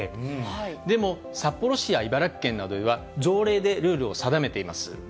でも、札幌市や茨城県などでは条例でルールを定めています。